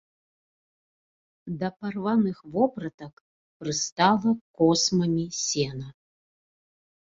Да парваных вопратак прыстала космамі сена.